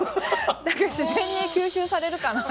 自然に吸収されるかなって。